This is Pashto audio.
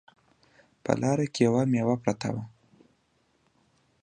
په لاره کې یوه میوه پرته وه